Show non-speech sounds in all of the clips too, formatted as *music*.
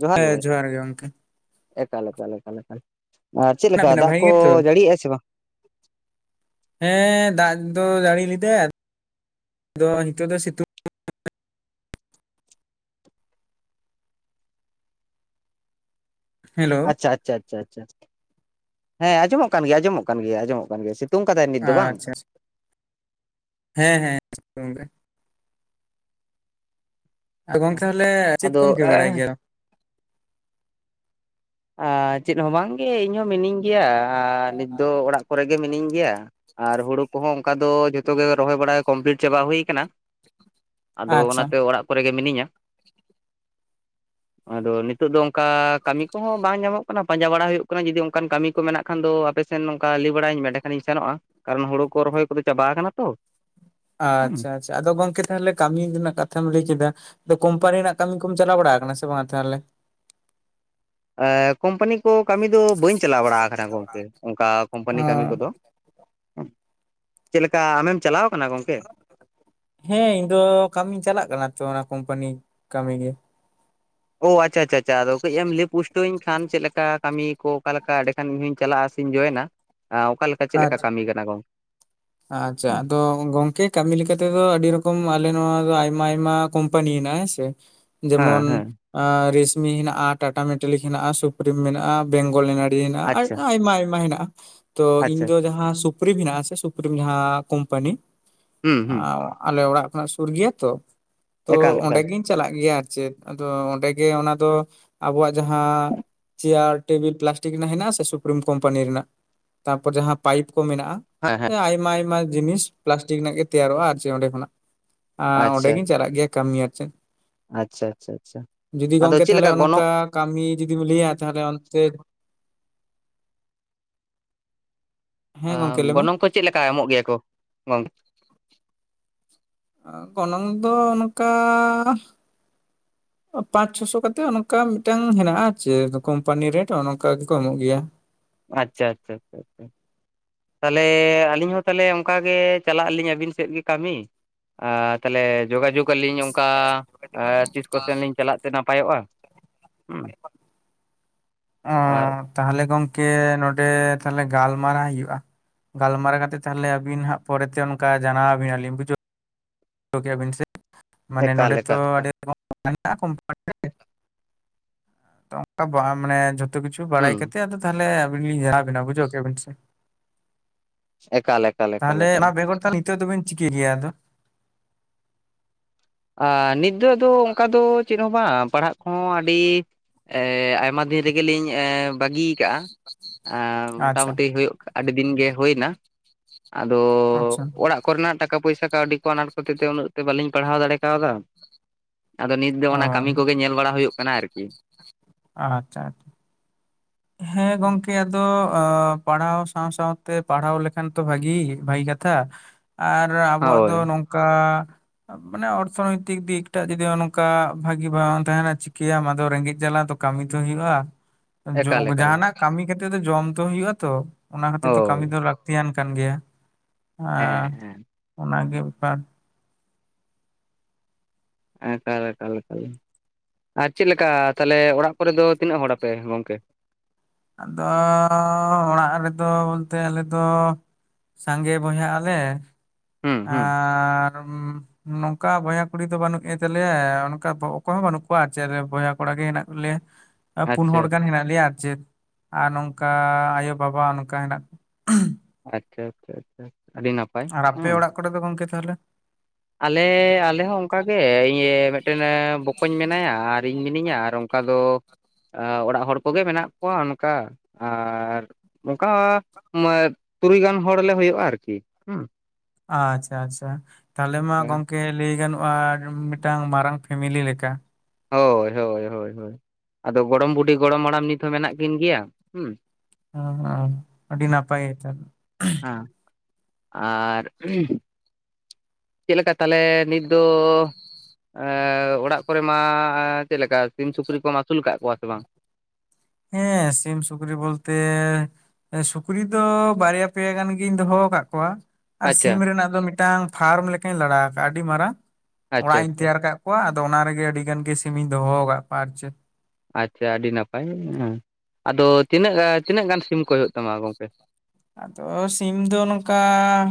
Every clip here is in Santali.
ᱡᱚᱦᱟᱨ ᱜᱮ ᱵᱚᱭᱦᱟ, ᱮᱠᱟᱞ ᱮᱠᱟᱞ ᱮᱠᱟᱞ ᱮᱠᱟᱞ᱾ ᱟᱨ ᱪᱮᱫ ᱢᱮᱱᱟᱜ ᱞᱮᱠᱟ ᱵᱤᱱᱟ ᱫᱟᱜ ᱵᱷᱟᱜᱤ ᱠᱚ ᱜᱮᱛᱚ? ᱡᱟᱹᱲᱤᱭᱟᱜᱼᱟ ᱥᱮ ᱵᱟᱝ? ᱦᱮᱸ ᱫᱟᱜ ᱫᱚ ᱡᱟᱲᱤ ᱞᱮᱫᱟ᱾ ᱟᱫᱚ ᱱᱤᱛᱚᱜ ᱫᱚᱭ ᱥᱤᱛᱩᱝ ᱦᱮᱞᱳ ᱟᱪᱪᱷᱟ ᱟᱪᱪᱷᱟ ᱟᱪᱪᱷᱟ ᱟᱪᱪᱷᱟ, ᱦᱮᱸ ᱟᱸᱡᱚᱢᱚᱜ ᱠᱟᱱ ᱜᱮᱭᱟ ᱟᱸᱡᱚᱢᱚᱜ ᱠᱟᱱ ᱜᱮᱭᱟ ᱟᱸᱡᱚᱢᱚᱜ ᱠᱟᱱ ᱜᱮᱭᱟ ᱥᱤ ᱛᱩᱝ ᱠᱟᱫᱟᱭ ᱱᱤᱛ ᱫᱚ ᱵᱟᱝ? ᱟᱪᱪᱷᱟ ᱦᱮᱸ ᱦᱮᱸ *inaudible* ᱫᱟᱭ᱾ ᱟᱨ ᱜᱚᱝᱠᱮ ᱦᱚᱞᱮ ᱪᱮᱫ ᱟᱫᱚ ᱠᱚᱢ *inaudible* ᱵᱟᱲᱟᱭ ᱜᱮᱭᱟ? ᱟ ᱪᱮᱫ ᱦᱚᱸ ᱵᱟᱝᱜᱮ ᱤᱧ ᱦᱚᱸ ᱢᱤᱱᱤᱧ ᱜᱮᱭᱟ ᱟ ᱱᱤᱛ ᱫᱚ ᱚᱲᱟᱜ ᱠᱚᱨᱮ ᱜᱮ ᱢᱤᱱᱤᱧ ᱜᱮᱭᱟ᱾ ᱟᱨ ᱦᱩᱲᱩ ᱠᱚᱦᱚᱸ ᱚᱱᱠᱟ ᱫᱚ ᱡᱷᱚᱛᱚ ᱜᱮ ᱨᱚᱦᱚᱭ ᱵᱟᱲᱟᱭ ᱠᱚᱢᱯᱞᱤᱴ ᱪᱟᱵᱟ ᱦᱩᱭᱩ ᱠᱟᱱᱟ᱾ ᱟᱫᱚ ᱟᱪᱪᱷᱟ ᱚᱱᱟᱛᱮ ᱚᱲᱟᱜ ᱠᱚᱨᱮ ᱜᱮ ᱢᱤᱱᱤᱧᱟ, ᱟᱫᱚ ᱱᱤᱛᱚᱜ ᱫᱚ ᱚᱱᱠᱟ ᱠᱟᱹᱢᱤ ᱠᱚᱦᱚᱸ ᱵᱟᱝ ᱧᱟᱢᱚᱜ ᱠᱟᱱᱟ ᱯᱟᱸᱡᱟ ᱵᱟᱲᱟ ᱦᱩᱭᱩᱜ ᱠᱟᱱᱟ ᱡᱩᱫᱤ ᱚᱱᱠᱟᱱ ᱠᱟᱢᱤ ᱠᱚ ᱢᱮᱱᱟᱜ ᱠᱷᱟᱱ ᱫᱚ ᱟᱯᱮ ᱥᱮᱱ ᱱᱚᱝᱠᱟ ᱞᱟᱹᱭ ᱵᱟᱲᱟᱭᱟᱹᱧ ᱢᱮ ᱮᱸᱰᱮ ᱠᱷᱟᱱᱤᱧ ᱥᱮᱱᱚᱜᱼᱟ᱾ ᱠᱟᱨᱚᱱ ᱦᱩᱲᱩ ᱠᱚ ᱨᱚᱦᱚᱭ ᱠᱚᱫᱚ ᱪᱟᱵᱟ ᱠᱟᱱᱟ ᱛᱚ᱾ ᱦᱩᱸ ᱟᱪᱪᱷᱟ ᱟᱪᱪᱷᱟ ᱟᱫᱚ ᱜᱚᱝᱠᱮ ᱛᱟᱦᱚᱞᱮ ᱠᱟᱢᱤ ᱨᱮᱱᱟᱜ ᱠᱟᱛᱷᱟᱢ ᱞᱟᱹᱭ ᱠᱮᱫᱟ ᱟᱫᱚ ᱠᱳᱢᱯᱟᱱᱤ ᱨᱮᱱᱟᱜ ᱠᱟᱹᱢᱤ ᱠᱚᱢ ᱪᱟᱞᱟᱣ ᱵᱟᱲᱟ ᱠᱟᱱᱟ ᱥᱮ ᱵᱟᱝ ᱛᱟᱦᱞᱮ? ᱮ ᱠᱳᱢᱯᱟᱱᱤ ᱠᱚ ᱠᱟᱹᱢᱤ ᱫᱚ ᱵᱟᱹᱧ ᱪᱟᱞᱟᱣ ᱵᱟᱲᱟ ᱠᱟᱱᱟ ᱜᱚᱝᱠᱮ ᱚᱱᱠᱟ ᱚ ᱠᱳᱢᱯᱟᱱᱤ ᱠᱟᱹᱢᱤ ᱠᱚᱫᱚ᱾ ᱪᱮᱫ ᱞᱮᱠᱟ ᱟᱢᱮᱢ ᱪᱟᱞᱟᱣ ᱠᱟᱱᱟ ᱜᱚᱝᱠᱮ? ᱦᱮᱸ ᱤᱧ ᱫᱚ ᱠᱟᱹᱢᱤᱧ ᱪᱟᱞᱟᱜ ᱠᱟᱱᱟ ᱛᱚ ᱚᱱᱟ ᱠᱳᱢᱯᱟᱱᱤ ᱠᱟᱹᱢᱤ ᱜᱮ᱾ ᱚ ᱟᱪᱪᱷᱟ ᱟᱪᱷᱟ ᱟᱪᱪᱷᱟ ᱟᱫᱚ ᱠᱟᱹᱡ ᱮᱢ ᱞᱟᱹᱭ ᱯᱩᱴᱟᱹᱣᱟᱹᱧ ᱠᱷᱟᱱ ᱪᱮᱫ ᱞᱮᱠᱟ ᱠᱟᱹᱢᱤ ᱠᱚ ᱚᱠᱟ ᱞᱮᱠᱟᱼᱼ ᱠᱷᱟᱱ ᱤᱧ ᱦᱚᱧ ᱪᱟᱞᱟᱜᱼᱟ ᱥᱮᱧ ᱡᱚᱭᱮᱱᱟ ᱚᱠᱟ ᱞᱮᱠᱟ ᱪᱮᱫ ᱟᱪᱪᱷᱟ ᱞᱮᱠᱟ ᱠᱟᱹᱢᱤ ᱠᱟᱱᱟ ᱜᱚᱝᱼᱼ ᱟᱪᱪᱷᱟ ᱟᱫᱚ ᱜᱚᱝᱠᱮ ᱠᱟᱹᱢᱤ ᱞᱮᱠᱟ ᱛᱮᱫᱚ ᱟᱹᱰᱤ ᱨᱚᱠᱚᱢ ᱟᱞᱮ ᱱᱚᱶᱟ ᱟᱭᱢᱟ ᱟᱭᱢᱟᱼᱼ ᱠᱳᱢᱯᱟᱱᱤ ᱦᱮᱱᱟᱜ-ᱟ ᱦᱮᱸ ᱥᱮ᱾ ᱦᱮᱸ ᱡᱮᱢᱚᱱ ᱦᱮᱸ ᱮ ᱨᱮᱥᱢᱤ ᱦᱮᱱᱟᱜᱼᱟ ᱴᱟᱴᱟ ᱢᱮᱴᱟᱞᱤᱠ ᱦᱮᱱᱟᱜᱼᱟ ᱥᱩᱯᱨᱤᱢ ᱢᱮᱱᱟᱜᱼᱟ ᱵᱮᱝᱜᱚᱞ ᱮᱱ ᱟᱨᱼᱼ ᱴᱤ ᱟᱪᱪᱷᱟ ᱦᱮᱱᱟᱜ-ᱟ ᱟᱭᱢᱟ ᱟᱭᱢᱟ ᱦᱮᱱᱟᱜᱼᱟ ᱛᱚ ᱤᱧ ᱟᱪᱪᱷᱟ ᱫᱚ ᱡᱟᱦᱟᱸ ᱥᱩᱯᱨᱤ ᱢᱮᱱᱟᱜ-ᱟ ᱥᱮᱼᱼ ᱥᱩᱯᱨᱤᱢ ᱡᱟᱦᱟᱸ ᱠᱳᱢᱯᱟᱱᱤ ᱦᱩᱸ ᱦᱩᱸ ᱟᱞᱮ ᱚᱲᱟᱜ ᱠᱷᱚᱱᱟᱜ ᱥᱩᱨ ᱜᱮᱭᱟ ᱛᱚᱼᱼ ᱮᱠᱟᱞ ᱛᱚ ᱚᱸᱰᱮ ᱮᱠᱟᱞ ᱜᱤᱧ ᱪᱟᱞᱟᱜ ᱜᱮᱭᱟ ᱟᱨ ᱪᱮᱫ ᱟᱫᱚ ᱚᱸᱰᱮᱜᱮ ᱚᱱᱟ ᱫᱚ ᱟᱵᱚᱣᱟᱜ ᱡᱟᱦᱟᱸᱼᱼ ᱪᱮᱭᱟᱨ ᱴᱮᱵᱤᱞ ᱯᱞᱟᱥᱴᱤᱠ ᱨᱮᱱᱟᱜ ᱦᱮᱱᱟᱜ-ᱟ ᱥᱮ ᱥᱩᱯᱨᱤᱢ ᱠᱳᱢᱯᱟᱱᱤ ᱨᱮᱱᱟᱜ ᱛᱟᱨᱯᱚᱨ ᱡᱟᱦᱟᱸ ᱯᱟᱭᱤᱯ ᱠᱚ ᱢᱮᱱᱟᱜᱼᱟᱼᱼ ᱦᱮ ᱦᱮ᱾ ᱟᱭᱢᱟ ᱟᱭᱢᱟ ᱡᱤᱱᱤᱥ ᱯᱞᱟᱥᱴᱤᱠ ᱨᱮᱱᱟᱜ ᱜᱮ ᱛᱮᱭᱟᱨᱚᱜᱼᱟ ᱟᱨ ᱪᱮᱫ ᱚᱸᱰᱮ ᱠᱷᱚᱱᱟᱜ ᱟ ᱚᱸᱰᱮ ᱟᱪᱪᱷᱟ ᱜᱤᱧ ᱪᱟᱞᱟᱜ ᱜᱮᱭᱟ ᱠᱟᱹᱢᱤ ᱟᱨ ᱪᱮᱫ᱾ ᱟᱪᱪᱷᱟ ᱟᱪᱪᱷᱟ ᱟᱪᱪᱷᱟ ᱡᱩᱫᱤ ᱟᱫᱚ ᱜᱚᱝᱠᱮ ᱪᱮᱫ ᱛᱟᱦᱚᱞᱮ ᱞᱮᱠᱟ ᱜᱚᱱᱚᱝ ᱚᱱᱠᱟ ᱠᱟᱹᱢᱤ ᱡᱩᱫᱤᱢ ᱞᱟᱹᱭᱟ ᱛᱟᱦᱚᱞᱮ ᱚᱱᱛᱮᱼᱼ ᱦᱮᱸ ᱟ ᱜᱚᱝᱠᱮ ᱞᱟᱹᱭ ᱢᱮ ᱜᱚᱱᱚᱝ ᱠᱚ ᱪᱮᱫ ᱞᱮᱠᱟ ᱮᱢᱚᱜ ᱜᱮᱭᱟ ᱠᱚ ᱜᱚᱝᱼᱼ ᱜᱚᱱᱚᱝ ᱫᱚ ᱱᱚᱠᱟᱼᱼ ᱯᱟᱸᱪ ᱪᱷᱚ ᱥᱚ ᱠᱟᱛᱮ ᱚᱱᱠᱟ ᱢᱤᱫᱴᱟᱝ ᱦᱮᱱᱟᱜᱼᱟ ᱪᱮᱫ ᱠᱳᱢᱯᱟᱱᱤ ᱨᱮᱴ ᱚᱱᱠᱟ ᱜᱮ ᱠᱚ ᱮᱢᱚᱜ ᱜᱮᱭᱟ᱾ ᱟᱪᱪᱷᱟ ᱟᱪᱪᱷᱟ ᱟᱪᱪᱷᱟ᱾ ᱛᱟᱦᱚᱞᱮ ᱟᱹᱞᱤᱧ ᱦᱚᱸ ᱛᱟᱦᱚᱞᱮ ᱚᱱᱠᱟ ᱜᱮ ᱪᱟᱞᱟᱜ ᱟᱹᱞᱤᱧ ᱟᱹᱵᱤᱱ ᱥᱮᱫ ᱜᱮ ᱠᱟᱹᱢᱤ᱾ ᱟ ᱛᱟᱦᱚᱞᱮ ᱡᱳᱜᱟᱡᱳᱜᱽ ᱟᱞᱤᱧ ᱚᱱᱠᱟ ᱟ ᱛᱤᱥ ᱠᱚᱛᱮ ᱞᱤᱧ ᱪᱟᱞᱟᱜ ᱛᱮ ᱱᱟᱯᱟᱭᱚᱜᱼᱟ᱾ ᱦᱩᱸ᱾ ᱚ ᱟᱨ ᱛᱟᱦᱞᱮ ᱜᱚᱝᱠᱮ ᱱᱚᱸᱰᱮ ᱛᱟᱦᱞᱮ ᱜᱟᱞᱢᱟᱨᱟᱣ ᱦᱩᱭᱩᱜᱼᱟ᱾ ᱜᱟᱞᱢᱟᱨᱟᱣ ᱠᱟᱛᱮᱫ ᱛᱟᱦᱞᱮ ᱟᱹᱵᱤᱱ ᱦᱟᱜ ᱯᱚᱨᱮᱛᱮ ᱚᱱᱠᱟ ᱡᱟᱱᱟᱣ ᱟᱵᱤᱱ ᱟᱞᱤᱧ ᱵᱩᱡᱟᱹᱣᱼᱼ ᱡᱟᱹᱣ ᱠᱮᱜ-ᱟ ᱵᱤᱱ ᱥᱮ ᱢᱟᱱᱮ ᱮᱠᱟᱞ ᱱᱚᱰᱮ ᱛᱚ ᱮᱠᱟᱞ ᱮᱠᱟᱞ ᱟᱹᱰᱤᱼᱼ *inaudible* ᱠᱳᱢᱟᱱᱤ ᱨᱮ ᱚᱱᱠᱟ ᱵᱟ ᱢᱟᱱᱮᱼᱼ ᱡᱚᱛᱚ ᱠᱤᱪᱷᱩ ᱵᱟᱲᱟᱭ ᱦᱩᱸ ᱠᱟᱛᱮ ᱟᱫᱚ ᱛᱟᱦᱞᱮ ᱟᱵᱤᱱ ᱞᱤᱧ ᱡᱟᱱᱟᱣ ᱟᱵᱮᱱᱟ ᱵᱩᱡᱷᱟᱹᱣ ᱠᱮᱜ-ᱟ ᱵᱤᱱ ᱥᱮ᱾ ᱮᱠᱟᱞ ᱮᱠᱼᱼ ᱛᱟᱦᱞᱮ ᱚᱱᱟ ᱵᱮᱜᱚᱨ ᱛᱟᱦᱞᱮ ᱱᱤᱛᱚᱜ ᱫᱚᱵᱤᱱ ᱪᱤᱠᱟᱹ ᱜᱮᱭᱟ ᱟᱫᱚ? ᱟ ᱱᱤᱛ ᱫᱚ ᱫᱚ ᱚᱱᱠᱟ ᱫᱚ ᱪᱮᱫ ᱦᱚᱸ ᱵᱟᱝ ᱯᱟᱲᱦᱟᱜ ᱠᱚᱦᱚᱸ ᱟᱹᱰᱤ ᱟᱭᱢᱟ ᱮ ᱫᱤᱱᱼᱼ ᱨᱮᱜᱮᱞᱤᱧ ᱮ ᱵᱟᱹᱜᱤᱭ ᱠᱟᱜ-ᱟ ᱟ ᱟᱪᱪᱷᱟ ᱢᱚᱴᱟᱢᱩᱴᱤ ᱦᱩᱭᱩᱜ ᱠᱟᱱᱟᱼᱼ ᱟᱹᱰᱤ ᱫᱤᱱ ᱜᱮ ᱦᱳᱭᱱᱟ ᱟᱫᱚ ᱟᱪᱪᱷᱟ ᱚᱲᱟᱜᱼᱼ ᱠᱚᱨᱮᱱᱟᱜ ᱴᱟᱠᱟ ᱯᱚᱭᱥᱟ ᱠᱟᱹᱣᱰᱤ ᱠᱚ ᱟᱱᱟᱴ ᱠᱷᱚᱛᱤᱨ ᱛᱮ ᱩᱱᱟᱹᱜ ᱛᱮ ᱵᱟᱹᱞᱤᱧ ᱯᱟᱲᱦᱟᱣ ᱫᱟᱲᱮ ᱠᱟᱣᱫᱟᱼᱼ ᱟᱫᱚ ᱱᱤᱛ ᱫᱚ ᱚ ᱚᱱᱟ ᱟᱪᱪᱷᱟ ᱠᱚᱜᱮ ᱧᱮᱞ ᱵᱟᱲᱟ ᱦᱩᱭᱩᱜ ᱠᱟᱱᱟ ᱟᱨᱠᱤ᱾ ᱟᱪᱪᱷᱟ ᱟᱪᱼᱼ ᱦᱮᱸ ᱜᱚᱝᱠᱮ ᱟᱫᱚ ᱮ ᱯᱟᱲᱦᱟᱣ ᱥᱟᱶ ᱥᱟᱶ ᱛᱮ ᱯᱟᱲᱦᱟᱣ ᱞᱮᱠᱷᱟᱱ ᱛᱚ ᱵᱷᱟᱜᱤ ᱵᱟᱜᱤ ᱠᱟᱼᱼ ᱛᱷᱟ ᱟᱨ ᱟᱵᱚᱣᱟᱜ ᱫᱚ ᱦᱳᱭ ᱱᱚᱝᱠᱟᱼᱼ ᱢᱟᱱᱮ ᱚᱨᱛᱷᱚᱱᱳᱭᱛᱤᱠ ᱫᱤᱠᱴᱟᱜ ᱡᱩᱫᱤ ᱚᱱᱠᱟ ᱵᱷᱟᱹᱜᱤ ᱵᱟᱝ ᱛᱟᱦᱮᱱᱟ ᱪᱤᱠᱟᱹᱭᱟᱢ ᱟᱫᱚ ᱨᱮᱸᱜᱮᱡ ᱡᱟᱞᱟ ᱫᱚᱼᱼ ᱠᱟᱹᱢᱤ ᱛᱚ ᱦᱩᱭᱩᱜᱼᱟ᱾ ᱮᱠᱟᱞ ᱡᱚᱠ ᱮᱠᱟᱞ ᱡᱟᱦᱟᱱᱟᱜ ᱠᱟᱹᱢᱤ ᱠᱟᱛᱮ ᱫᱚ ᱡᱚᱢ ᱛᱚ ᱦᱳᱭᱳᱜᱼᱟ ᱛᱚ ᱚᱱᱟ ᱠᱷᱟᱹᱛᱤᱨ ᱫᱚ ᱠᱟᱹᱢᱤ ᱦᱳᱭ ᱫᱚ ᱞᱟᱠᱼᱼ ᱛᱤᱭᱟᱱ ᱠᱟᱱ ᱜᱮᱭᱟ ᱟᱨ ᱦᱮᱸ ᱦᱮᱸ ᱚᱱᱟᱜᱮ ᱵᱮᱯᱟᱨᱼᱼ ᱮᱠᱟᱞ ᱮᱠᱟᱞ ᱮᱠᱟᱞ, ᱟᱨ ᱪᱮᱫ ᱞᱮᱠᱟ ᱛᱟᱦᱞᱮ ᱚᱲᱟᱜ ᱠᱚᱨᱮ ᱫᱚ? ᱛᱤᱱᱟᱹᱜ ᱦᱚᱲᱟᱯᱮ ᱜᱚᱝᱠᱮ? ᱟᱫᱚ ᱚᱲᱟᱜ ᱨᱮᱫᱚ ᱵᱚᱞᱛᱮ ᱟᱞᱮ ᱫᱚ, ᱥᱟᱸᱜᱮ ᱵᱚᱭᱦᱟ ᱟᱞᱮ ᱦᱩᱸ ᱦᱩᱸ ᱟᱨ ᱩᱸ ᱱᱚᱝᱠᱟ ᱵᱚᱭᱦᱟ ᱠᱩᱲᱤ ᱫᱚ ᱵᱟᱹᱱᱩᱜ ᱠᱤᱱ ᱛᱟᱞᱮᱭᱟ ᱚᱱᱠᱟ ᱚᱠᱚᱭ ᱦᱚᱸ ᱵᱟᱹᱱᱩᱜ ᱠᱚᱣᱟ ᱪᱮᱜ ᱨᱮ ᱵᱚᱭᱦᱟ ᱠᱚᱲᱟ ᱜᱮ ᱦᱮᱱᱟᱜ ᱞᱮᱭᱟ᱾ ᱟ ᱯᱩᱱ ᱟᱪᱪᱷᱟ ᱦᱚᱲ ᱜᱟᱱ ᱟᱪᱪᱷᱟ ᱦᱮᱱᱟᱜ ᱞᱮᱭᱟ ᱟᱨ ᱪᱮᱜ ᱟᱨ ᱱᱚᱝᱠᱟ ᱟᱭᱳᱼᱵᱟᱵᱟ ᱱᱚᱝᱠᱟ ᱦᱮᱱᱟᱜ ᱟᱪᱪᱷᱟ ᱟᱪᱪᱷᱟ ᱟᱪᱪᱷᱟ ᱟᱹᱰᱤ ᱱᱟᱯ ᱟᱨ ᱟᱯᱮ ᱚᱲᱟᱜ ᱠᱚᱨᱮ ᱫᱚ ᱜᱚᱝᱠᱮ ᱛᱟᱦᱚᱞᱮ? ᱟᱞᱮ ᱟᱞᱮ ᱦᱚᱸ ᱚᱝᱠᱟᱜᱮ ᱤᱧ ᱢᱤᱜᱴᱮᱱ ᱵᱚᱠᱚᱧ ᱢᱮᱱᱟᱭᱟ ᱟᱨ ᱤᱧ ᱢᱤᱱᱟᱹᱧᱟ ᱟᱨ ᱚᱝᱠᱟ ᱫᱚ ᱚᱲᱟᱜ ᱟ ᱦᱚᱲ ᱠᱚᱜᱮ ᱢᱮᱱᱟᱜ ᱠᱚᱣᱟ ᱚᱱᱠᱟ ᱟᱨ ᱚᱝᱠᱟ ᱦᱚᱸ ᱢᱚᱭ ᱛᱩᱨᱩᱭ ᱜᱟᱱ ᱦᱚᱲᱞᱮ ᱦᱩᱭᱩᱜᱼᱟ ᱟᱨᱠᱤ ᱦᱩᱸ᱾ ᱟᱪᱪᱷᱟ ᱟᱪᱪᱷᱟ ᱛᱟᱦᱚᱞᱮ ᱢᱟ ᱜᱚᱝ ᱠᱮ ᱞᱟᱹᱭ ᱜᱟᱱᱚᱜᱼᱟ ᱢᱤᱜᱴᱟᱝ ᱢᱟᱨᱟᱝ ᱯᱷᱮᱢᱮᱞᱤ ᱞᱮᱠᱟ᱾ ᱦᱳᱭ ᱦᱳᱭ ᱦᱳᱭ ᱦᱳᱭ ᱟᱫᱚ ᱜᱚᱲᱚᱢ ᱵᱩᱰᱷᱤ ᱜᱚᱲᱚᱢ ᱦᱟᱲᱟᱢ ᱱᱤᱛ ᱦᱚᱸ ᱢᱮᱱᱟᱜ ᱠᱤᱱ ᱜᱮᱭᱟ ᱦᱩᱸ᱾ ᱦᱩᱸ ᱦᱩᱸ ᱟᱹᱰᱤ ᱱᱟᱯᱟᱭ ᱱᱮᱛᱟᱨ ᱫᱚ᱾ ᱟᱨ ᱦᱩᱸ, ᱪᱮᱜ ᱠᱟ ᱛᱟᱦᱚᱞᱮ ᱱᱤᱛ ᱫᱚ, ᱮᱸ ᱚᱲᱟᱜ ᱠᱚᱨᱮ ᱢᱟ ᱪᱮᱫᱞᱮᱠᱟ ᱥᱤᱢ ᱥᱩᱠᱨᱤ ᱠᱚᱢ ᱟᱹᱥᱩᱞ ᱠᱟᱜ ᱠᱚᱣᱟ ᱥᱮ ᱵᱟᱝ? ᱦᱮᱸ ᱥᱤᱢ ᱥᱩᱠᱨᱤ ᱵᱚᱞᱛᱮ, ᱮᱸ ᱥᱩᱠᱨᱤ ᱫᱚ ᱵᱟᱨᱭᱟ ᱯᱮᱭᱟ ᱜᱟᱱ ᱜᱤᱧ ᱫᱚᱦᱚ ᱠᱟᱜ ᱠᱚᱣᱟ᱾ ᱟᱨ ᱟᱪᱪᱷᱟ ᱥᱤᱢ ᱨᱮᱱᱟᱜ ᱫᱚ ᱢᱤᱜᱴᱟᱝ ᱯᱷᱟᱨᱚᱢ ᱞᱮᱠᱟᱧ ᱞᱟᱲᱟᱣ ᱠᱟᱜᱼᱟ ᱟᱹᱰᱤ ᱢᱟᱨᱟᱝ ᱟᱪᱪᱷᱟ ᱚᱲᱟᱜ ᱤᱧ ᱟᱪᱪᱷᱟ ᱛᱮᱭᱟᱨ ᱟᱠᱟᱜ, ᱠᱚᱣᱟ ᱟᱫᱚ ᱚᱱᱟ ᱨᱮᱜᱮ ᱟᱹᱰᱤ ᱜᱟᱱ ᱜᱮ ᱥᱤᱢᱤᱧ ᱫᱚᱦᱚ ᱟᱠᱟᱜ ᱠᱚᱣᱟ ᱟᱨ ᱪᱮᱜ᱾ ᱟᱪᱪᱷᱟ ᱟᱹᱰᱤ ᱱᱟᱯᱟᱭ ᱦᱩᱸ᱾ ᱟᱫᱚ ᱛᱤᱱᱟᱹᱜ ᱛᱤᱱᱟᱹᱜ ᱜᱟᱱ ᱥᱤᱢ ᱠᱚ ᱦᱩᱭᱩᱜ ᱛᱟᱢᱟ ᱜᱚᱝᱠᱮ? ᱟᱫᱚ ᱥᱤᱢ ᱫᱚ ᱱᱚᱝᱠᱟ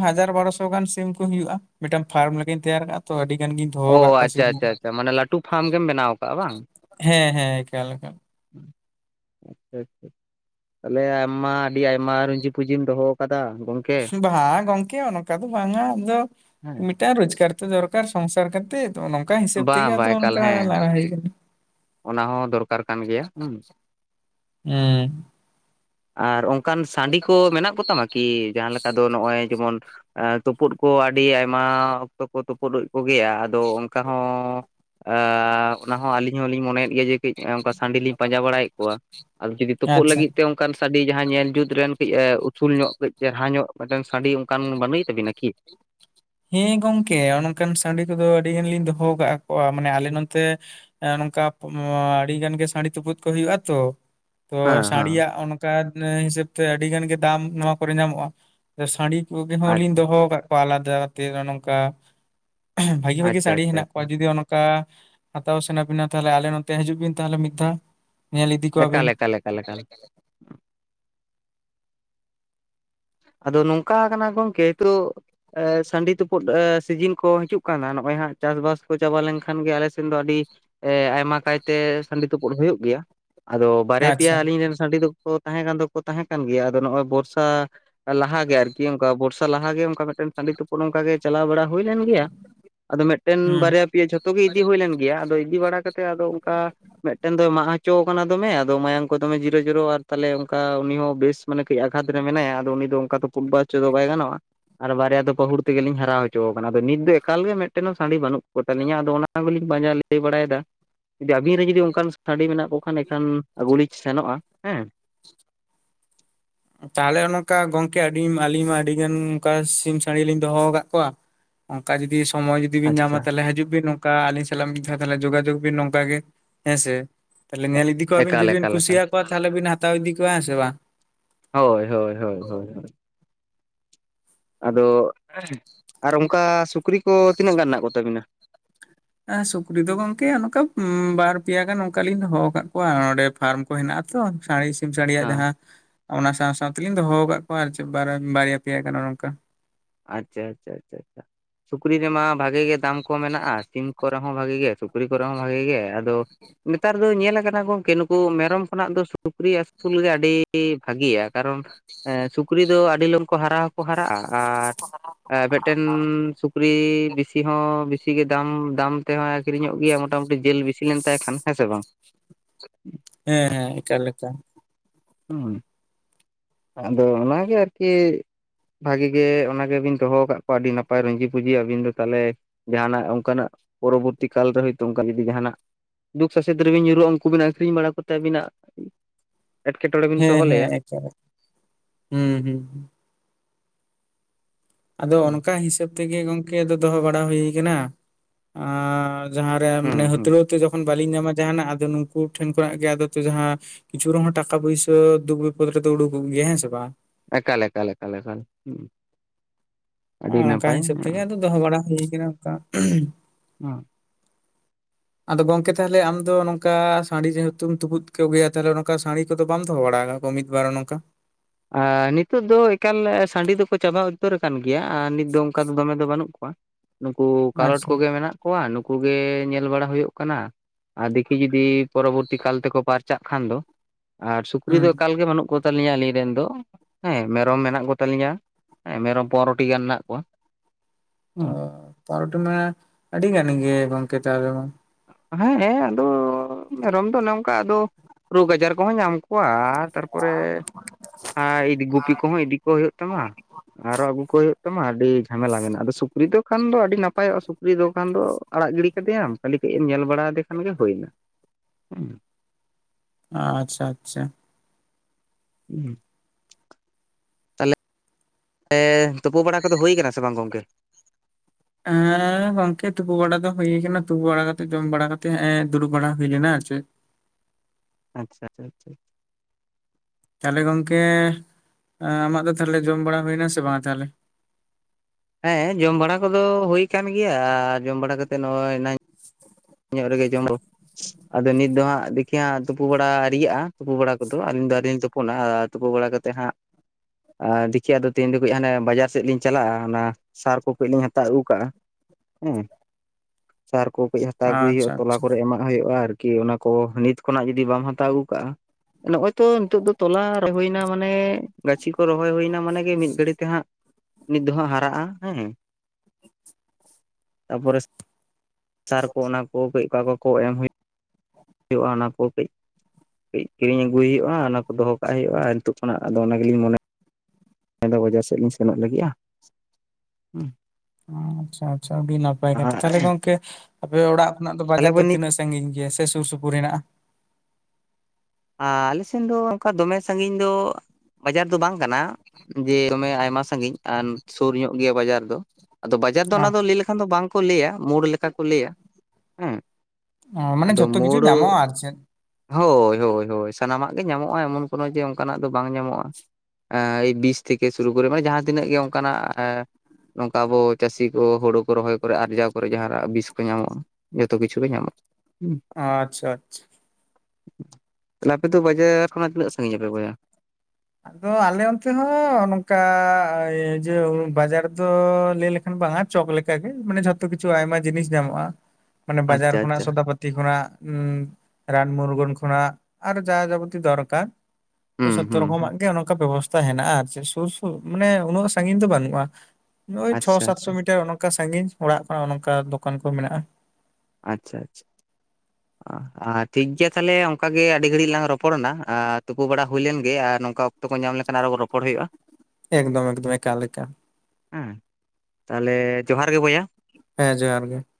ᱦᱟᱡᱟᱨ ᱵᱟᱨᱚᱥᱚ ᱜᱟᱱ ᱥᱤᱢ ᱠᱚ ᱦᱩᱭᱩᱜᱼᱟ ᱢᱤᱜᱴᱟᱝ ᱯᱷᱟᱨᱚᱢ ᱞᱮᱠᱟᱧ ᱛᱮᱭᱟᱨ ᱠᱟᱜᱼᱟ᱾ ᱛᱚ ᱟᱹᱰᱤ ᱜᱟᱱ ᱜᱤᱧ ᱫᱚᱦᱚᱣᱟ ᱚ ᱠᱟᱜ ᱠᱚᱣᱟ ᱟᱪᱪᱷᱟ ᱥᱤᱢ, *inaudible* ᱟᱪᱪᱷᱟ ᱟᱪᱪᱷᱟ ᱢᱟᱱᱮ ᱞᱟᱹᱴᱩ ᱯᱷᱟᱨᱢ ᱜᱮᱢ ᱵᱮᱱᱟᱣ ᱠᱟᱜᱼᱟ ᱦᱮᱸ ᱦᱮᱸ ᱮᱠᱟᱞ ᱮᱠᱟᱞ᱾ ᱟᱪᱪᱷᱟ ᱟᱪᱪᱷᱟ, ᱛᱟᱦᱚᱞᱮ ᱟᱢ ᱢᱟ ᱟᱰᱤ ᱟᱭᱢᱟ ᱨᱩᱸᱡᱤ ᱯᱩᱸᱡᱤᱢ ᱫᱚᱦᱚ ᱠᱟᱫᱟ ᱜᱚᱝ ᱵᱟᱝ ᱜᱚᱝᱠᱮ ᱚᱱᱠᱟ ᱫᱚ ᱵᱟᱝᱟ ᱟᱫᱚ, ᱦᱮᱸ ᱢᱤᱜ ᱴᱟᱱ ᱨᱳᱡᱽᱜᱟᱨ ᱛᱚ ᱫᱚᱨᱠᱟᱨ ᱥᱚᱝᱥᱟᱨ ᱠᱟᱛᱮᱜ᱾ ᱟᱫᱚ ᱱᱚᱝᱠᱟ ᱦᱤᱥᱟᱹᱵ ᱵᱟᱝ ᱛᱮᱜᱮ ᱟᱫᱚ ᱵᱟᱝ ᱮᱠᱟᱞ ᱱᱚᱝᱠᱟ ᱦᱮᱸ ᱞᱟᱲᱟ ᱦᱩᱭ ᱠᱟᱱᱟ᱾ ᱚᱱᱟ ᱦᱚᱸ ᱫᱚᱨᱠᱟᱨ ᱠᱟᱱ ᱜᱮᱭᱟ ᱩᱸ᱾ ᱮᱸ ᱦᱩᱸ ᱟᱨ ᱚᱱᱠᱟᱱ ᱥᱟᱺᱰᱤ ᱠᱚ ᱢᱮᱱᱟᱜ ᱠᱚᱛᱟᱢᱟ ᱠᱤ ᱡᱟᱦᱟᱸ ᱞᱮᱠᱟ ᱫᱚ ᱱᱚᱜᱼᱚᱭ ᱡᱮᱢᱚᱱ? ᱮᱸ ᱛᱩᱯᱩᱫ ᱠᱚ ᱟᱹᱰᱤ ᱟᱭᱢᱟ ᱚᱠᱛᱚ ᱠᱚ ᱛᱩᱯᱩᱫ, ᱠᱚ ᱜᱮᱭᱟ, ᱟᱫᱚ ᱚᱱᱠᱟ ᱦᱚᱸ ᱟᱸ ᱚᱱᱟ ᱦᱚᱸ ᱟᱞᱤᱧ ᱦᱚᱸᱞᱤᱧ ᱢᱚᱱᱮᱭᱮᱜ ᱜᱮᱭᱟ ᱡᱮ ᱠᱟᱹᱡ ᱚᱱᱠᱟ ᱥᱟᱺᱰᱤ ᱞᱤᱧ ᱯᱟᱸᱡᱟ ᱵᱟᱲᱟᱭᱮᱜ ᱠᱚᱣᱟ ᱟᱨ ᱡᱩᱫᱤ ᱛᱩᱯᱩᱜ ᱟᱪᱪᱷᱟ ᱞᱟᱹᱜᱤᱫ ᱛᱮ, ᱚᱱᱠᱟᱱ ᱥᱟᱺᱰᱤ ᱡᱟᱦᱟᱸ ᱧᱮᱞ ᱡᱩᱛᱨᱮ ᱠᱟᱹᱡ ᱩᱥᱩᱞ ᱧᱚᱜ ᱠᱟᱹᱡ ᱪᱮᱨᱦᱟ ᱧᱚᱜ ᱢᱤᱜᱴᱟᱝ ᱥᱟᱺᱰᱤ, ᱚᱝᱠᱟᱱ ᱵᱟᱱᱩᱭ ᱛᱟᱵᱤᱱᱟ ᱠᱤ? ᱦᱮᱸ ᱜᱚᱝᱠᱮ ᱚᱱᱠᱟᱱ ᱥᱟᱺᱰᱤ ᱠᱚᱫᱚ ᱟᱹᱰᱤ ᱜᱟᱱ ᱞᱤᱧ ᱫᱚᱦᱚ ᱠᱟᱜ ᱠᱚᱣᱟ ᱢᱟᱱᱮ ᱟᱞᱮ ᱱᱚᱛᱮ, ᱮᱸ ᱱᱚᱝᱠᱟ ᱟᱹᱰᱤ ᱜᱟᱱ ᱜᱮ ᱥᱟᱺᱰᱤ ᱛᱩᱯᱩᱫ ᱠᱚ ᱦᱩᱭᱩᱜᱼᱟ ᱛᱚ, ᱛᱚ ᱦᱮᱸ ᱦᱮᱸ ᱥᱟᱺᱰᱤᱭᱟᱜ ᱚᱱᱠᱟ ᱦᱤᱥᱟᱹᱵ ᱛᱮ ᱟᱹᱰᱤ ᱜᱟᱱ ᱜᱮ ᱫᱟᱢ ᱱᱚᱣᱟ ᱠᱚᱨᱮ ᱧᱟᱢᱚᱜᱼᱟ᱾ ᱥᱟᱺᱰᱤ ᱠᱚᱜᱮ ᱦᱚᱸ ᱞᱤᱧ ᱟᱪᱪᱷᱟ ᱫᱚᱦᱚ ᱟᱠᱟᱜ ᱟᱞᱟᱫᱟ ᱟᱛᱮ ᱱᱚᱝᱠᱟ, ᱵᱷᱟᱹᱜᱤ ᱵᱷᱟᱹᱜᱤ ᱟᱪᱪᱷᱟ ᱥᱟᱺᱰᱤ ᱟᱪᱪᱷᱟ ᱦᱮᱱᱟᱜ ᱠᱚᱣᱟ ᱟᱪᱪᱷᱟ ᱡᱩᱫᱤ ᱚᱱ ᱠᱟ ᱦᱟᱛᱟᱣ ᱥᱟᱱᱟ ᱵᱤᱱᱟ ᱛᱟᱦᱚᱞᱮ ᱟᱞᱮ ᱱᱚᱛᱮ ᱦᱤᱡᱩᱜ ᱵᱤᱱ ᱛᱟᱦᱚᱞᱮ ᱢᱤᱫ ᱫᱷᱟᱣ᱾ ᱧᱮᱞ ᱤᱫᱤ ᱮᱠᱟᱞ ᱠᱚᱣᱟᱵᱤᱱ, ᱮᱠᱟᱞ ᱮᱠᱟᱞ ᱮᱠᱟᱞ ᱟᱫᱚ ᱱᱚᱝᱠᱟ ᱠᱟᱱᱟ ᱜᱚᱝᱠᱮ ᱛᱳᱜ, ᱥᱟᱺᱰᱤ ᱛᱩᱯᱩᱫ ᱥᱤᱡᱤᱱ ᱠᱚ ᱦᱤᱡᱩᱜ ᱠᱟᱱᱟ ᱱᱚᱜᱼᱚᱭ ᱦᱜ ᱪᱟᱥᱵᱟᱥ ᱠᱚ ᱪᱟᱵᱟ ᱞᱮᱱᱠᱷᱟᱱ ᱜᱮ ᱟᱞᱮ ᱥᱮᱱ ᱫᱚ ᱟᱹᱰᱤ, ᱮ ᱟᱭᱢᱟ ᱠᱟᱭᱛᱮ ᱥᱟᱺᱰᱤ ᱛᱩᱯᱫ ᱦᱩᱭᱩᱜ ᱜᱮᱭᱟ᱾ ᱟᱫᱚ ᱵᱟᱨᱭᱟ ᱯᱮᱭᱟ ᱟᱪᱪᱷᱟ ᱟᱹᱞᱤᱧ ᱨᱮᱱ ᱥᱟᱺᱰᱤ ᱫᱚᱠᱚ ᱛᱟᱦᱮᱸ ᱠᱟᱱ ᱫᱚᱠᱚ ᱛᱟᱦᱮᱸ ᱠᱟᱱ ᱜᱮᱭᱟ ᱟᱫᱚ ᱱᱚᱜᱼᱚᱭ ᱵᱚᱨᱥᱟ, ᱞᱟᱦᱟ ᱜᱮ ᱟᱨᱠᱤ ᱚᱱᱠᱟ ᱵᱚᱨᱥᱟ ᱞᱟᱦᱟ ᱜᱮ ᱚᱱᱠᱟ ᱢᱤᱫᱴᱮᱱ ᱥᱟᱺᱰᱤ ᱛᱩᱯᱩᱱ ᱚᱱᱠᱟ ᱜᱮ, ᱪᱟᱞᱟᱣ ᱵᱟᱲᱟ ᱦᱩᱭ ᱞᱮᱱ ᱜᱮᱭᱟ, ᱟᱫᱚ ᱢᱤᱫᱴᱮᱱ ᱦᱩᱸ ᱵᱟᱨᱭᱟ ᱯᱮᱭᱟ ᱡᱷᱚᱛᱚ ᱜᱮ ᱤᱫᱤ ᱦᱩᱭ ᱞᱮᱱ ᱜᱮᱭᱟ ᱟᱫᱚ ᱤᱫᱤ ᱵᱟᱲᱟ ᱠᱟᱛᱮ, ᱛᱮ ᱟᱫᱚ ᱚᱱᱠᱟ, ᱢᱮᱫᱴᱮᱱ ᱫᱚᱭ ᱢᱟᱜ ᱦᱚᱪᱚ ᱠᱟᱱᱟ ᱫᱚᱢᱮ ᱟᱫᱚ ᱢᱟᱭᱟᱝ ᱠᱚ ᱫᱚᱢᱮ ᱡᱤᱨᱟᱹ ᱡᱤᱨᱚ ᱟᱨ ᱛᱟᱦᱞᱮ ᱚᱱᱠᱟ ᱩᱱᱤ ᱦᱚᱸ ᱵᱮᱥ, ᱢᱟᱱᱮ ᱠᱟᱹᱡ ᱟᱜᱷᱟᱛ ᱨᱮ ᱢᱮᱱᱟᱭᱟ ᱟᱫᱚ ᱩᱱᱤ ᱫᱚ ᱚᱱᱠᱟ ᱫᱚ ᱯᱷᱩᱴᱵᱚᱞ ᱦᱚᱪᱚ ᱫᱚ ᱵᱟᱭ ᱜᱟᱱᱚᱜᱼᱟ᱾ ᱟᱨ ᱵᱟᱨᱭᱟ ᱫᱚ ᱯᱟᱹᱩᱲ ᱛᱮᱜᱮᱞᱤᱧ ᱦᱟᱨᱟᱣ ᱦᱚᱪᱚ ᱟᱠᱟᱱᱟ ᱟᱫᱚ ᱱᱤᱛ ᱫᱚ ᱮᱠᱟᱞ ᱜᱮ ᱢᱮᱫᱴᱮᱱ ᱦᱚ ᱥᱟᱺᱰᱤ ᱵᱟᱹᱱᱩᱜ, ᱠᱚᱴᱟᱞᱤᱧᱟ ᱟᱫᱚ ᱚᱱᱟᱜᱮᱞᱤᱧ ᱵᱟᱡᱟᱣ ᱟᱹᱤᱧᱟ, ᱞᱮᱭ ᱵᱟᱲᱟᱭᱮᱫᱟ ᱡᱩᱫᱤ ᱟᱵᱤᱱ ᱨᱮ ᱡᱩᱫᱤ ᱚᱱᱠᱟᱱ ᱥᱟᱺᱰᱤ ᱢᱮᱱᱟᱜ ᱠᱚ ᱠᱷᱟᱱ ᱮᱱᱠᱷᱟᱱ ᱟᱹᱜᱩᱞᱤᱧ ᱥᱮᱱᱚᱜᱼᱟ ᱦᱮᱸ? ᱛᱟᱦᱟᱞᱮ ᱚᱱᱝᱠᱟ ᱜᱚᱝᱠᱮ ᱟᱹᱰᱤ ᱟᱹᱞᱤᱧ ᱢᱟ ᱟᱹᱰᱤ ᱜᱟᱱ ᱚᱱᱠᱟ ᱥᱤᱢ ᱥᱟᱹᱲᱤ ᱞᱤᱧ ᱫᱚᱦᱚ ᱟᱠᱟᱫ ᱠᱚᱣᱟ, ᱚᱱᱠᱟ ᱡᱩᱫᱤ ᱥᱚᱢᱚᱭ ᱡᱩᱫᱤ ᱵᱤᱱ ᱧᱟᱢᱟ ᱟᱪᱪᱷᱟ ᱛᱟᱦᱚᱞᱮ ᱦᱤᱡᱩᱜ ᱵᱤᱱ᱾ ᱠᱟ ᱟᱞᱤᱧ ᱥᱟᱞᱟᱜ ᱢᱤᱫᱷᱟᱮ ᱛᱟᱦᱟᱞᱮ ᱡᱳᱜᱟᱡᱳᱜᱽ ᱵᱤᱱ ᱱᱚᱝᱠᱟ ᱜᱮ ᱦᱮᱸᱥ ᱛᱟᱦᱮᱞ ᱧᱮᱞ ᱤᱫᱤ, ᱠᱚᱣᱟᱵᱤᱱ ᱡᱫᱤ ᱮᱠᱟᱞ ᱵᱤᱱ ᱮᱠᱟᱞ ᱮᱠᱟᱞ ᱠᱩᱥᱤᱭᱟ ᱠᱚᱣᱟ ᱛᱟᱦᱟᱞᱮ ᱵᱤᱱ ᱦᱟᱛᱟᱣ ᱤᱫᱤ ᱠᱚᱣᱟ ᱦᱮᱸ ᱥᱮ ᱵᱟᱝ? ᱦᱳᱭ ᱦᱳᱭ ᱦᱳᱭ ᱦᱳᱭ᱾ ᱟᱫᱚ ᱟᱨ ᱚᱱᱠᱟ ᱥᱩᱠᱨᱤ ᱠᱚ ᱛᱤᱱᱟᱹᱜ ᱜᱟᱱ ᱢᱮᱱᱟᱜ ᱠᱚᱛᱟᱵᱤᱱᱟ? ᱥᱩᱠᱨᱤ ᱫᱚ ᱜᱚᱝᱠᱮ ᱚᱱᱠᱟ ᱵᱟᱨ ᱯᱮᱭᱟ ᱜᱟᱱ ᱚᱱᱠᱟᱞᱤᱧ ᱫᱚᱦᱚᱣᱟ ᱟᱠᱟᱫ ᱠᱚᱣᱟ ᱱᱚᱸᱰᱮ, ᱯᱷᱟᱨᱢ ᱠᱚ ᱦᱮᱱᱟᱜᱼᱟ ᱛᱚ ᱥᱟᱬ, ᱥᱤᱢ ᱥᱟᱹᱲᱤᱭᱟᱜ ᱦᱮᱸ ᱡᱟᱦᱟᱸ ᱚᱱᱟ ᱥᱟᱶ ᱥᱟᱶᱛᱮᱞᱤᱧ ᱫᱚᱦᱚ ᱟᱠᱟᱫ ᱠᱚᱣᱟ ᱟᱨ ᱪᱮ ᱵᱟᱨᱭᱟ ᱯᱮᱭᱟ ᱜᱟᱱ ᱱᱚᱝᱠᱟ᱾ ᱟᱪᱪᱷᱟ ᱟᱪᱪᱷᱟ ᱥᱩᱠᱨᱤ ᱨᱮᱢᱟ ᱵᱷᱟᱜᱤ ᱜᱮ ᱫᱟᱢ ᱠᱚ ᱢᱮᱱᱟᱜᱼᱟ᱾ ᱥᱤᱢ ᱠᱚᱨᱮ ᱦᱚᱸᱚᱸᱼᱼ ᱵᱷᱟᱜᱤ ᱜᱮ ᱥᱩᱠᱨᱤ ᱠᱚᱨᱮ ᱦᱚᱸ ᱵᱷᱟᱜᱤ ᱜᱮ ᱟᱫᱚᱼᱼ ᱱᱮᱛᱟᱨ ᱫᱚ ᱧᱮᱞ ᱠᱟᱱᱟ ᱜᱚᱝᱠᱮ ᱱᱩᱠᱩ ᱢᱮᱨᱚᱢ ᱠᱷᱚᱱᱟᱜ ᱫᱚ ᱥᱩᱠᱨᱤ ᱟᱹᱥᱩᱞ ᱜᱮ ᱟᱹᱰᱤ ᱵᱷᱟᱹᱜᱤᱭᱟ ᱠᱟᱨᱚᱱᱼᱼ ᱥᱩᱠᱨᱤ ᱫᱚ ᱟᱹᱰᱤ ᱞᱚᱜᱚᱱ ᱠᱚ ᱦᱟᱨᱟ ᱦᱚᱸᱠᱚ ᱦᱟᱨᱟᱜᱼᱟᱼᱼ ᱚᱱᱟ *inaudible* ᱢᱮᱫᱴᱮᱱ ᱥᱩᱠᱨᱤ ᱵᱮᱥᱤ ᱦᱚᱸ ᱵᱮᱥᱤ ᱜᱮ ᱫᱟᱢ ᱫᱟᱢ ᱛᱮᱦᱚᱭ ᱟᱹᱠᱷᱨᱤᱧᱚᱜ ᱜᱮᱭᱟᱼᱼ ᱢᱚᱴᱟ ᱢᱩᱴᱤ ᱡᱮᱹᱞ ᱵᱤᱥᱤ ᱞᱮᱱ ᱛᱟᱭ ᱠᱷᱟᱱ ᱦᱮᱸ ᱥᱮ ᱵᱟᱝᱼᱼ ᱦᱮᱸ ᱦᱮᱸ ᱮᱠᱟᱞ ᱮᱠᱟᱞᱼᱼ ᱦᱮᱸ ᱟᱫᱚ ᱚᱱᱟᱜᱮ ᱟᱨᱠᱤᱼᱼ ᱵᱷᱟᱜᱤ ᱜᱮ ᱚᱱᱟᱜᱮᱵᱤᱱ ᱫᱚᱦᱚ ᱟᱠᱟᱫ ᱠᱚᱣᱟ ᱟᱹᱰᱤ ᱱᱟᱯᱟᱭ ᱨᱩᱸᱡᱤ ᱯᱩᱸᱡᱤ ᱟᱹᱵᱤᱱ ᱫᱚ ᱛᱟᱦᱟᱞᱮ, ᱡᱟᱦᱟᱱᱟᱜ ᱚᱱᱠᱟᱱᱟᱜ ᱯᱚᱨᱚᱵᱚᱨᱛᱤ ᱠᱟᱞᱨᱮ ᱦᱳᱭᱛᱳ ᱚᱱᱠᱟ ᱡᱩᱫᱤ ᱡᱟᱦᱟᱱᱟᱜᱼᱼ ᱫᱩᱠ ᱥᱟᱥᱮᱛ ᱨᱮᱵᱤᱱ ᱧᱩᱨᱦᱩᱜᱼᱟ ᱩᱱᱠᱩᱵᱤᱱ ᱟᱹᱷᱨᱤᱧ ᱵᱟᱲᱟ ᱠᱚᱛᱮ ᱟᱹᱵᱤᱱᱟᱜᱼᱼ ᱦᱮᱸ ᱦᱮᱸ ᱮᱠᱫᱚᱢ ᱮᱠᱫᱚᱢ ᱦᱩᱸ ᱦᱩᱸᱼᱼ ᱟᱫᱚ ᱦᱩᱸ ᱚᱱᱠᱟ ᱦᱤᱥᱟᱹᱵ ᱛᱮᱜᱮ ᱜᱚᱝᱠᱮ ᱟᱫᱚ ᱫᱚᱦᱚ ᱵᱟᱲᱟ ᱦᱩᱭ ᱠᱟᱱᱟ ᱟᱨᱻ ᱡᱟᱦᱟᱸᱨᱮ ᱢᱟᱱᱮ ᱦᱩᱸ ᱦᱟᱹᱛᱲᱟᱹᱣ ᱛᱮ ᱡᱚᱠᱷᱚᱱ ᱦᱟᱹᱛᱲᱟᱹᱣ ᱛᱮ ᱡᱚᱠᱷᱚᱱ ᱵᱟᱹᱞᱤᱧ ᱧᱟᱢᱟ ᱡᱟᱦᱟᱱᱟᱜ ᱟᱫᱚ ᱱᱩᱠᱩ ᱴᱷᱮᱱ ᱠᱷᱚᱱᱟᱜ ᱜᱮ ᱟᱫᱚ ᱛᱚ ᱡᱟᱦᱟᱸᱼᱼ ᱠᱤᱪᱷᱩ ᱨᱮᱦᱚ ᱴᱟᱠᱟ ᱯᱚᱭᱥᱟᱹ ᱫᱩᱠ ᱵᱤᱯᱚᱫ ᱨᱮᱫᱚ ᱩᱰᱩᱠᱚᱜ ᱜᱮᱭᱟ ᱦᱮᱸ ᱥᱮ ᱵᱟᱝ? ᱮᱠᱟᱞ ᱮᱠᱟᱞ ᱮᱠᱟᱞ ᱮᱠᱟᱞ, ᱟᱹᱰᱤ ᱚᱱᱠᱟ ᱱᱟᱯᱟᱭ, ᱾ ᱦᱤᱥᱟᱹᱵ ᱛᱮᱜᱮ ᱟᱫᱚ ᱫᱚᱦᱚ ᱵᱲᱟᱟ ᱦᱳᱭ ᱟᱠᱟᱱᱟ ᱚᱱᱠᱟᱼᱼ ᱦᱸ *unintelligible* ᱟᱫᱚ ᱜᱚᱝᱠᱮ ᱛᱟᱦᱟᱞᱮ ᱟᱢ ᱫᱚ ᱱᱚᱝᱠᱟ ᱥᱟᱺᱰᱤ ᱡᱮᱦᱮᱛᱩᱢ ᱛᱩᱯᱩᱫ ᱠᱚᱜᱮᱭᱟ ᱛᱟᱦᱟᱞᱮ ᱱᱚᱝᱠᱟ ᱥᱟᱺᱤ ᱠᱚᱫᱚ ᱵᱟᱢ ᱫᱚᱦᱚ ᱵᱟᱲᱟ ᱟᱠᱟᱫ ᱠᱚᱣᱟ? ᱢᱤᱫ ᱵᱟᱨᱱᱚᱝᱠᱟᱼᱼ? ᱟᱨ ᱱᱤᱛᱚᱜ ᱫᱚ ᱮᱠᱟᱞ ᱥᱟᱺᱰᱤ ᱫᱚᱠᱚ ᱪᱟᱵᱟ ᱼᱼ ᱛᱟᱹᱨ ᱟᱠᱟᱱ ᱜᱮᱭᱟ ᱟᱨ ᱱᱤᱛ ᱫᱚ ᱚᱱᱠᱟ ᱫᱚᱢᱮ ᱫᱚ ᱵᱟᱹᱱᱩᱜ ᱠᱚᱣᱟ᱾ ᱱᱩᱠᱩ ᱠᱟᱞᱚᱴ ᱟᱪᱪᱷᱟ ᱠᱚᱜᱮ ᱢᱮᱱᱟᱜ ᱠᱚᱣᱟ ᱱᱩᱠᱩ ᱜᱮ ᱧᱮᱞ ᱵᱟᱲᱟ ᱦᱩᱭᱩᱜ ᱠᱟᱱᱟ᱾ ᱟᱨ ᱫᱮᱠᱷᱤ ᱡᱚᱫᱤ ᱯᱚᱨᱚᱵᱚᱨᱛᱤ ᱠᱟᱞ ᱛᱮᱠᱚ ᱵᱟᱧᱪᱟᱜᱠᱷᱟᱱ ᱫᱚ ᱟᱨ ᱥᱩᱠᱨᱤ ᱫᱚ ᱦᱩᱸ ᱮᱠᱟᱞ ᱜᱮ ᱵᱟᱹᱱᱩᱜ ᱠᱚ ᱛᱟᱞᱤᱧᱟ᱾ ᱟᱹᱞᱤᱧ ᱨᱮᱱ ᱫᱚ ᱦᱮᱸ ᱢᱮᱨᱚᱢ ᱢᱮᱱᱟᱜ ᱠᱚ ᱛᱟᱞᱤᱧᱟ, ᱦᱮᱸ ᱢᱮᱨᱚᱢ ᱯᱚᱱᱨᱚᱴᱤ ᱜᱟᱱ ᱢᱮᱱᱟᱜ ᱠᱚᱣᱟ᱾ ᱚᱸ ᱯᱚᱱᱨᱚᱴᱤ ᱢᱟᱱᱮ ᱟᱹᱰᱤ ᱜᱟᱱ ᱜᱮ ᱜᱚᱝᱠᱮ ᱛᱟᱦᱚᱞᱮ ᱢᱟ? ᱦᱮᱸᱮᱻ ᱟᱫᱚ ᱢᱮᱨᱚᱢ ᱫᱚ ᱚᱱᱮ ᱚᱱᱠᱟ ᱟᱫᱚ ᱨᱳᱜᱽ ᱟᱡᱟᱨ ᱠᱚᱦᱚᱸ ᱧᱟᱢ ᱠᱚᱣᱟ᱾ ᱟᱨ ᱛᱟᱨᱯᱚᱨᱮ ᱮᱸ ᱜᱩᱯᱤ ᱠᱚᱦᱚᱸ ᱤᱫᱤ ᱠᱚ ᱦᱩᱭᱩᱜ ᱛᱟᱢᱟ᱾ ᱟᱨᱚ ᱟᱹᱜᱩ ᱠᱚ ᱦᱩᱭᱩᱜ ᱛᱟᱢᱟ ᱟᱹᱰᱤ ᱡᱷᱟᱢᱮᱞᱟ ᱢᱮᱱᱟᱜᱼᱟ᱾ ᱟᱫᱚ ᱥᱩᱠᱨᱤ ᱫᱚ ᱠᱷᱟᱱ ᱫᱚ ᱟᱹᱰᱤ ᱱᱟᱯᱟᱭᱚᱜᱼᱟ, ᱥᱩᱠᱨᱤ ᱫᱚ ᱠᱷᱟᱱ ᱫᱚ ᱟᱲᱟᱜ ᱜᱤᱲᱤ ᱠᱟᱫᱮᱭᱟᱢ, ᱠᱷᱟᱞᱤ ᱠᱟᱹᱪ ᱮᱢ ᱧᱮᱞ ᱵᱟᱲᱟ ᱟᱫᱮ ᱠᱷᱟᱱ ᱜᱮ ᱦᱩᱭᱱᱟ᱾ ᱦᱩᱸ, ᱟᱪᱪᱷᱟ ᱟᱪᱪᱷᱟ, *inaudible* ᱛᱟᱞᱮ ᱮᱻ ᱛᱩᱯᱩ ᱵᱟᱲᱟ ᱠᱚᱫᱚ ᱦᱩᱭ ᱟᱠᱟᱱᱟ ᱥᱮ ᱵᱟᱝ ᱜᱚᱝᱠᱮ? ᱮᱸᱻ ᱜᱚᱝᱠᱮ ᱛᱩᱯᱩ ᱵᱟᱲᱟ ᱫᱚ ᱦᱩᱭ ᱠᱟᱱᱟ ᱛᱩᱯᱩ ᱵᱟᱲᱟ ᱠᱟᱛᱮ ᱡᱚᱢ ᱵᱟᱲᱟ ᱠᱟᱛᱮᱸ ᱦᱮᱸᱜ ᱮᱸ ᱫᱩᱲᱩᱵ ᱵᱟᱲᱟ ᱦᱩᱭ ᱞᱮᱱᱟ᱾ ᱟᱨ ᱪᱮᱫ ᱟᱪᱪᱷᱟ, ᱛᱟᱦᱚᱞᱮ ᱜᱚᱝᱠᱮ ᱮᱸ ᱟᱢᱟᱜ ᱫᱚ ᱛᱟᱦᱚᱞᱮ ᱡᱚᱢ ᱵᱟᱲᱟ ᱦᱩᱭᱱᱟ ᱥᱮ ᱵᱟᱝᱼᱟ ᱛᱟᱦᱚᱞᱮ? ᱦᱮᱸ ᱡᱚᱢ ᱵᱟᱲᱟ ᱠᱚᱫᱚ ᱦᱩᱭ ᱟᱠᱟᱱ ᱜᱮᱭᱟ, ᱟᱨ ᱡᱚᱢ ᱵᱟᱲᱟ ᱠᱟᱛᱮᱫ ᱱᱚᱜᱼᱚᱭ ᱱᱟᱧ ᱧᱚᱜ ᱨᱮᱜᱮ ᱡᱚᱢ *inaudible* *inaudible* ᱟᱫᱚ ᱱᱤᱛ ᱫᱚ ᱦᱟᱸᱜ ᱫᱮᱠᱷᱤ ᱦᱟᱸᱜ ᱛᱩᱯᱩ ᱵᱟᱲᱟ ᱟᱹᱣᱨᱤᱭᱟᱜᱼᱟ, ᱛᱩᱯᱩ ᱵᱟᱲᱟ ᱠᱚᱫᱚ᱾ ᱟᱹᱞᱤᱧ ᱫᱚ ᱟᱹᱣᱨᱤ ᱞᱤᱧ ᱛᱩᱯᱳᱱᱟ, ᱛᱩᱯᱩ ᱵᱟᱲᱟ ᱠᱟᱛ ᱛᱮ ᱦᱟᱸᱜ ᱮᱸ ᱫᱮᱠᱷᱤ ᱟᱫᱚ ᱛᱤᱦᱮᱱ ᱫᱚ ᱠᱟᱹᱡᱽ ᱦᱟᱱᱮ ᱵᱟᱡᱟᱨ ᱥᱮᱫ ᱞᱤᱧ ᱪᱟᱞᱟᱜᱼᱟ᱾ ᱚᱱᱟ ᱥᱟᱨ ᱠᱚ ᱠᱟᱹᱡᱽ ᱞᱤᱧ ᱦᱟᱛᱟᱣ ᱟᱹᱜᱩ ᱠᱟᱜᱼᱟ ᱦᱮᱸ ᱥᱟᱨ ᱠᱚ ᱠᱟᱹᱡᱽ ᱦᱟ ᱛᱟ ᱟᱹᱜᱩᱭ ᱦᱩᱭᱩᱜᱼᱟ ᱟᱪᱪᱷᱟ ᱛᱚᱞᱟ ᱠᱚᱨᱮ ᱮᱢᱟᱜ ᱦᱩᱭᱩᱜᱼᱟ᱾ ᱟᱨᱠᱤ ᱚᱱᱟ ᱠᱚ ᱱᱤᱛ ᱠᱷᱚᱱᱟᱜ ᱡᱩᱫᱤ ᱵᱟᱢ ᱦᱟᱛᱟᱣ ᱟᱹᱜᱩ ᱠᱟᱜᱼᱟ ᱱᱚᱜᱼᱚᱭ ᱛᱚ ᱱᱤᱛᱳᱜ ᱫᱚ ᱛᱚᱞᱟ *inaudible* ᱦᱩᱭᱚᱭᱱᱟ ᱢᱟᱱᱮ ᱜᱟᱪᱷᱤ ᱠᱚ ᱨᱚᱦᱚᱭ ᱦᱩᱭᱱᱟ ᱢᱟᱱᱮ ᱜᱮ ᱢᱤᱫ ᱜᱷᱟᱹᱲᱤ ᱛᱮ ᱦᱟᱸᱜ ᱱᱤᱛ ᱫᱚ ᱦᱟᱨᱟᱜ-ᱟ, ᱦᱮᱸ ᱛᱟᱯᱚᱨᱮ ᱥᱟᱨ ᱠᱚ ᱚᱱᱟ ᱠᱚ ᱠᱟᱹᱡ ᱚᱠᱟ ᱠᱚᱠᱚ ᱮᱢ *inaudible* ᱦᱩᱭᱩᱜ-ᱟ ᱚᱱᱟ ᱠᱚ ᱠᱟᱹᱡ ᱠᱟᱹᱡ ᱠᱤᱨᱤᱧ ᱟᱹᱜᱩᱭ ᱦᱩᱭᱩᱜ-ᱟ, ᱚᱱᱟ ᱠᱚ ᱫᱚᱦᱚ ᱠᱟᱜ ᱦᱩᱭᱩᱜ-ᱟ᱾ ᱱᱤᱛᱚᱜ ᱠᱷᱚᱱᱟᱜ ᱟᱫᱚ ᱚᱱᱟ ᱜᱮᱞᱤᱧ ᱢᱚᱱᱮ ᱟᱫᱚ ᱵᱟᱡᱟᱨ ᱥᱮᱫ ᱞᱤᱧ ᱥᱮᱱᱚᱜ ᱞᱟᱹᱜᱤᱫ-ᱟ᱾ ᱩᱸ, ᱟᱪᱪᱷᱟ ᱟᱪᱪᱷᱟ ᱟᱹᱰᱤ ᱱᱟᱯᱟᱭ ᱠᱟᱛᱷᱟ, ᱛᱟᱦᱚᱞᱮ ᱜᱚᱝᱠᱮ ᱟᱯᱮ ᱚᱲᱟᱜ ᱠᱷᱚᱱᱟᱜ ᱫᱚ ᱵᱟᱡᱟᱨ ᱫᱚ ᱵᱚᱱ ᱱᱤᱛ ᱛᱤᱱᱟᱹᱜ ᱥᱟᱺᱜᱤᱧ ᱜᱮᱭᱟ ᱥᱮ, ᱥᱩᱨ ᱥᱩᱯᱩᱨ ᱦᱮᱱᱟᱜ-ᱟ? ᱟ ᱟᱞᱮ ᱥᱮᱱ ᱫᱚ ᱚᱱᱠᱟ ᱫᱚᱢᱮ ᱥᱟᱺᱜᱤᱧ ᱫᱚ, ᱵᱟᱡᱟᱨ ᱫᱚ ᱵᱟᱝ ᱠᱟᱱᱟ᱾ ᱡᱮ *inaudible* ᱟᱭᱢᱟ ᱥᱟᱺᱜᱤᱧ ᱟᱨ ᱥᱩᱨ ᱧᱚᱜ ᱜᱮᱭᱟ ᱵᱟᱡᱟᱨ ᱫᱚ ᱟᱫᱚ ᱵᱟᱡᱟᱨ ᱫᱚ ᱚᱱᱟ ᱫᱚ ᱞᱟᱹᱭ ᱞᱮᱠᱷᱟᱱ ᱫᱚ ᱵᱟᱝ ᱠᱚ ᱞᱟᱹᱭᱟ, ᱢᱩᱳᱲ ᱞᱮᱠᱟ ᱠᱚ ᱞᱟᱹᱭᱟ᱾ ᱦᱮᱸ, ᱚᱸ ᱢᱟᱱᱮ ᱟᱫᱚ ᱡᱷᱚᱛᱚ ᱠᱤᱪᱷᱩ ᱢᱳᱲ ᱧᱟᱢᱚᱜ-ᱟ᱾ ᱟᱨ ᱪᱮᱫ? ᱦᱳᱭ ᱦᱳᱭ ᱦᱳᱭ ᱥᱟᱱᱟᱢᱟᱜ ᱜᱮ ᱧᱟᱢᱚᱜ-ᱟ ᱮᱢᱚᱱ ᱠᱳᱱᱳ ᱡᱮ ᱚᱱᱠᱟᱱᱟᱜ ᱫᱚ ᱵᱟᱝ ᱧᱟᱢᱚᱜ-ᱟ ᱮᱸ ᱵᱤᱥ ᱛᱷᱮᱠᱮ ᱥᱩᱨᱩ ᱠᱚᱨᱮ ᱢᱟᱱᱮ ᱡᱟᱦᱟᱸ ᱛᱤᱱᱟᱹᱜ ᱜᱮ ᱚᱱᱠᱟᱱᱟᱜ ᱮᱸ ᱱᱚᱝᱠᱟ ᱟᱵᱚ ᱪᱟᱹᱥᱤ ᱠᱚ ᱦᱳᱲᱩ ᱠᱚ ᱨᱚᱦᱚᱭ ᱠᱚᱨᱮ ᱟᱨᱡᱟᱣ ᱠᱚᱨᱮ ᱡᱟᱦᱟᱱᱟᱜ ᱵᱤᱥ ᱠᱚ ᱧᱟᱢᱚᱜ-ᱟ ᱡᱚᱛᱚ ᱠᱤᱪᱷᱩ ᱜᱮ ᱧᱟᱢᱚᱜ, ᱩᱸ, ᱟᱪᱪᱷᱟ ᱟᱪᱪᱷᱟ, *inaudible* ᱛᱟᱦᱮ ᱟᱯᱮ ᱫᱚ ᱵᱟᱡᱟᱨ ᱠᱷᱚᱱᱟᱜ ᱛᱤᱱᱟᱹᱜ ᱥᱟᱜᱤᱧ ᱟᱯᱮ ᱵᱚᱭᱦᱟ? ᱟᱫᱚ ᱟᱞᱮ ᱚᱱᱛᱮ ᱦᱚᱸ ᱱᱚᱝᱠᱟ ᱡᱮ ᱵᱟᱡᱟᱨ ᱫᱚ ᱞᱟᱹᱭ ᱞᱮᱠᱷ ᱵᱟᱝᱟ ᱪᱚᱠ ᱞᱮᱠᱟ ᱜᱮ ᱢᱟᱱᱮ ᱡᱷᱚᱛᱚ ᱠᱤᱪᱷᱩ ᱟᱭᱢᱟ ᱡᱤᱱᱤᱥ ᱧᱟᱢᱚᱜ-ᱟ᱾ ᱢᱟᱱᱮ ᱵᱟᱡᱟᱨ ᱟᱪᱪᱷᱟ ᱠᱷᱚᱱᱟᱜ ᱟᱪᱪᱷᱟ ᱥᱚᱫᱷᱟ ᱯᱟᱛ ᱛᱤ ᱠᱷᱚᱱᱟᱜ ᱩᱸ ᱨᱟᱱ ᱢᱩᱨᱜᱚᱱ ᱠᱷᱚᱱᱟᱜ ᱡᱟ ᱡᱟᱵᱚᱛᱤᱭᱳ ᱫᱚᱨᱠᱟᱨ ᱦᱩᱸ, ᱦᱩᱸ, ᱦᱩᱸ ᱾ ᱚᱱᱮ ᱚᱱᱠᱟ ᱵᱮᱵᱚᱥᱛᱟ ᱦᱮᱱᱟᱜ-ᱟ, ᱟᱨ ᱪᱮᱫ ᱥᱩᱨ-ᱥᱩᱨ ᱢᱟᱱᱮ ᱩᱱᱟᱹᱜ ᱥᱟᱺᱜᱤᱧ ᱫᱚ ᱵᱟᱹᱱᱩᱜ-ᱟ ᱾ ᱳᱭ ᱪᱷᱚ ᱟᱪᱪᱷᱟ ᱥᱟᱛᱥᱚ ᱟᱪᱪᱷᱟ ᱢᱤᱴᱟᱨ ᱚᱱᱠᱟ ᱥᱟᱺᱜᱤᱧ, ᱚᱲᱟᱜ ᱠᱷᱚᱱᱟᱜ ᱚᱱᱠᱟ ᱫᱚᱠᱟᱱ ᱠᱚ ᱢᱮᱱᱟᱜ-ᱟ ᱾ ᱟᱪᱪᱷᱟ, ᱟᱪᱪᱷᱟ᱾ *unintelligible* *inaudible* ᱦᱚᱸ ᱟᱨ ᱴᱷᱤᱠ ᱜᱮᱭᱟ ᱛᱟᱦᱚᱞᱮ, ᱚᱱᱠᱟᱜ ᱜᱮ ᱟᱹᱰᱤ ᱜᱷᱟᱹᱲᱤᱡ ᱞᱟᱝ ᱨᱚᱯᱚᱲᱱᱟ, ᱟᱨ ᱛᱩᱯᱩ ᱵᱟᱲᱟ ᱦᱩᱭ ᱞᱮᱱᱜᱮ, ᱟᱨ ᱱᱚᱝᱠᱟ ᱚᱠ ᱛᱚ ᱠᱚ ᱧᱟᱢ ᱞᱮᱠᱷᱟᱱ, ᱟᱨᱚ ᱨᱚᱯᱚᱲ ᱦᱳᱭᱳᱜ-ᱟ ᱾ ᱮᱠᱫᱚᱢ-ᱮᱠᱫᱚᱢ ᱮᱠᱟᱞ-ᱮᱠᱟᱞ᱾ ᱦᱮᱸ, ᱛᱟᱦᱚᱞᱮ ᱡᱚᱦᱟᱨ ᱜᱮ ᱵᱚᱭᱦᱟ ᱾ ᱦᱮᱸ ᱡᱚᱦᱟᱨ ᱜᱮ ᱾